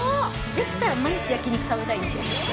できたら毎日焼肉食べたいんですよ。